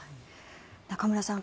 中室さん